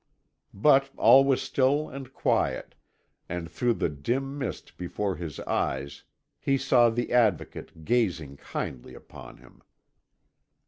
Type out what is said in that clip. But all was still and quiet, and through the dim mist before his eyes he saw the Advocate gazing kindly upon him.